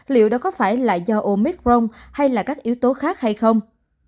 liệu đó có phải là do omicron hay là các yếu tố khác hay không